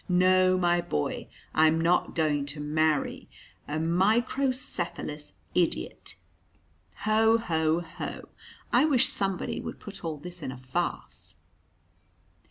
No, my boy, I'm not going to marry a microcephalous idiot. Ho! ho! ho! I wish somebody would put all this in a farce."